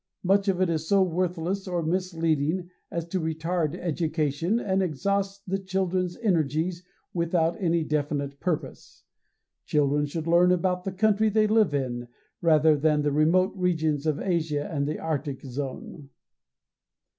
Much of it is so worthless or misleading as to retard education and exhaust the children's energies without any definite purpose. Children should learn about the country they live in, rather than the remote regions of Asia and the Arctic Zone."